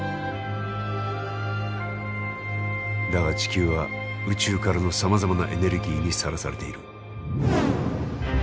だが地球は宇宙からのさまざまなエネルギーにさらされている。